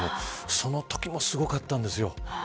そのときもすごかったんですよ。